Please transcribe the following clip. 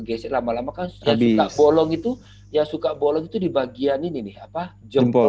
gesek lama lama kan suka bolong itu ya suka bolong itu di bagian ini nih apa jempol